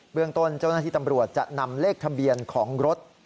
เรื่องต้นเจ้าหน้าที่ตำรวจจะนำเลขทะเบียนของรถ